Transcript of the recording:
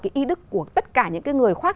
cái ý đức của tất cả những cái người khoác